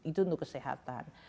itu untuk kesehatan